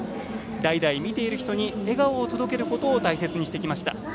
代々、見ている人に笑顔を届けることを大切にしてきました。